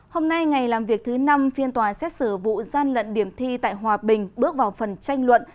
hôm nay ngày làm việc thứ năm phiên tòa xét xử vụ gian lận điểm thi tại hòa bình bước vào phần tranh luận